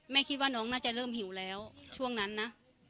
คิดว่าน้องน่าจะเริ่มหิวแล้วช่วงนั้นนะ